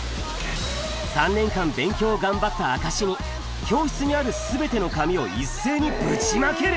３年間、勉強を頑張った証しに、教室にあるすべての紙を一斉にぶちまける。